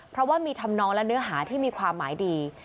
เพราะว่ามีธรรมนองและเนื้อหาที่มีความหมายดี